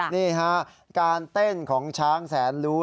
นี่ฮะการเต้นของช้างแสนรู้